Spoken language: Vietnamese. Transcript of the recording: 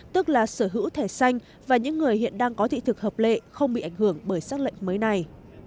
tức là sở hữu thẻ xanh và những người hiện đang có thị thực hợp lệ không bị ảnh hưởng bởi xác lệnh mới này